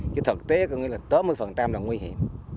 chứ thực tế có nghĩa là tớ mươi phần trăm là nguy hiểm